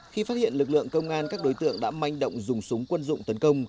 khi phát hiện lực lượng công an các đối tượng đã manh động dùng súng quân dụng tấn công